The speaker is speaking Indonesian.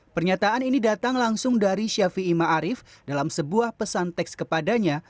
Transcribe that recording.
pernyataan ini datang langsung dari syafi'i ma'arif dalam sebuah pesan teks kepadanya